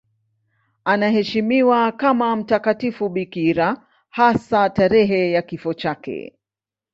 Anaheshimiwa kama mtakatifu bikira, hasa tarehe ya kifo chake.